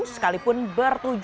sekalipun berlaku di kota tangerang